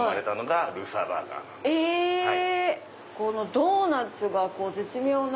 ドーナツが絶妙な。